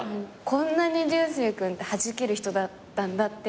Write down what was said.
こんなに流星君ってはじける人だったんだって。